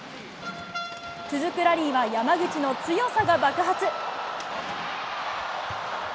続くラリーは、山口の強さが爆発。